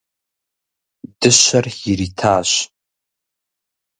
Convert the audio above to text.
Дыщэр иритащ.